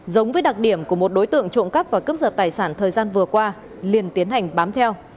giống với đặc điểm của một đối tượng trộm cắp và cướp giật tài sản thời gian vừa qua liền tiến hành bám theo